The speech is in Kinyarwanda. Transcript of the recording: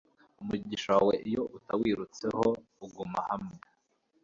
umugisha wawe iyo utawi rutseho uguma hamwe